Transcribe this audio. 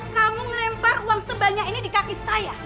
kamu melempar uang sebanyak ini di kaki saya